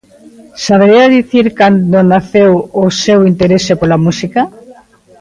Sabería dicir cando naceu o seu interese pola música?